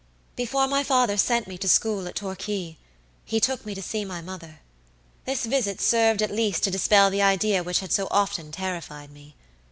"Before my father sent me to school at Torquay, he took me to see my mother. This visit served at least to dispel the idea which had so often terrified me.